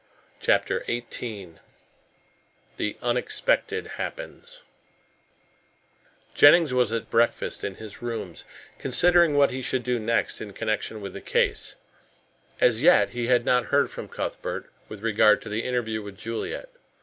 CHAPTER XVIII THE UNEXPECTED HAPPENS Jennings was at breakfast in his rooms, considering what he should do next in connection with the case. As yet he had not heard from Cuthbert with regard to the interview with Juliet.